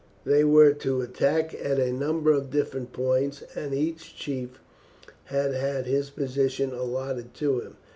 They were to attack at a number of different points, and each chief had had his position allotted to him.